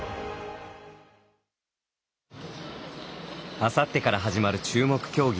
あさってから始まる注目競技。